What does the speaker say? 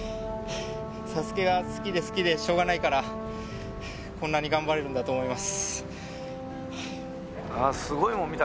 ＳＡＳＵＫＥが好きで好きでしようがないから、こんなに頑張れるんだと思います。